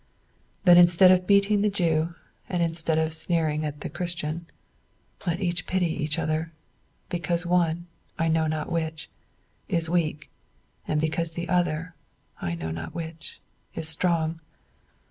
Then instead of beating the Jew, and instead of sneering at the Christian, let each pity the other; because one, I know not which, is weak, and because the other, I know not which, is strong.